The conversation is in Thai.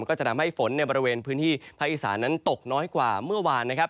ก็จะทำให้ฝนในบริเวณพื้นที่ภาคอีสานั้นตกน้อยกว่าเมื่อวานนะครับ